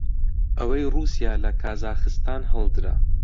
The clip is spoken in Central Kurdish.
ئەوەی ڕووسیا لە کازاخستان هەڵدرا